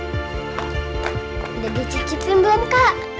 kamu mau coba nih enggak